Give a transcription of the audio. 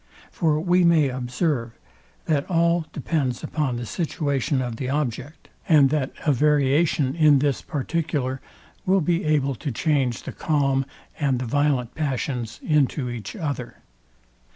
For we may observe, that all depends upon the situation of the object, and that a variation in this particular will be able to change the calm and the violent passions into each other.